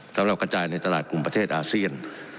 สำหรับกระจายในตลาดกลุ่มประเทศอาเซียน